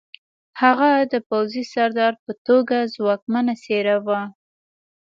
هغه د پوځي سردار په توګه ځواکمنه څېره وه